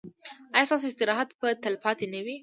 ایا ستاسو استراحت به تلپاتې نه وي؟